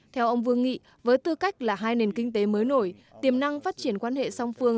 theo ông vương nghị với tư cách là hai nền kinh tế mới nổi tiềm năng phát triển quan hệ song phương